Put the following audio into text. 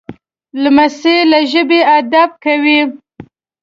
لمسی له ژبې ادب کوي.